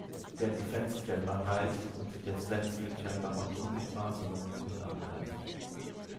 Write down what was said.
Der Defence-Chamber heilt und der Sensory-Chamber macht unsichtbar, solange man nicht angreift.